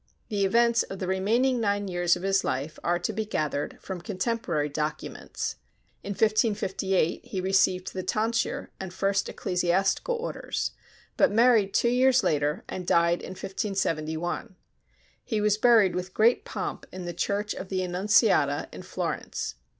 The events of the remaining nine years of his life are to be gathered from contemporary documents. In 1558 he received the tonsure and first ecclesiastical orders, but married two years later, and died in 1571. He was buried with great pomp in the Church of the Annunciata in Florence.